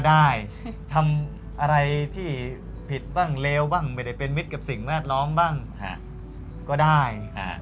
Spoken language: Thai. ได้ทำอะไรที่ผิดบ้างเลวบ้างไม่ได้เป็นมิตรกับสิ่งแวดล้อมบ้างก็ได้